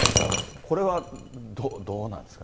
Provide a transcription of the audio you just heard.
これはどうなんですかね。